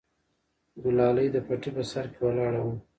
ګلالۍ د پټي په سر کې ولاړه وه.